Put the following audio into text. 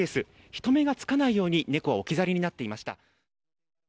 人目がつかないように猫は置き去りになっていました。